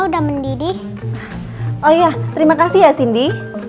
oh iya terima kasih ya cindy